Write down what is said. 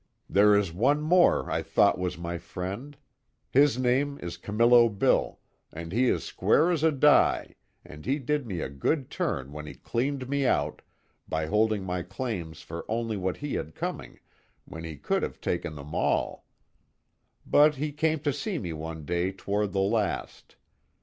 "There is one more I thought was my friend. His name is Camillo Bill, and he is square as a die, and he did me a good turn when he cleaned me out, by holding my claims for only what he had coming when he could have taken them all. But he came to see me one day toward the last.